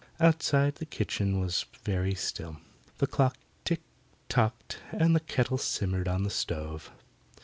Outside the kitchen was very still. The clock tick tocked and the kettle simmered on the stove.